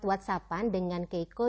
whatsappan dengan keiko